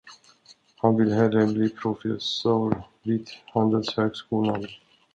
Han vill hellre bli professor vid handelshögskolan.